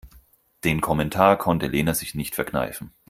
Den Kommentar konnte Lena sich nicht verkneifen.